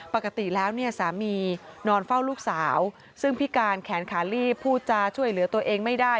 ปกติแล้วเนี่ยสามีนอนเฝ้าลูกสาวซึ่งพิการแขนขาลีบพูดจาช่วยเหลือตัวเองไม่ได้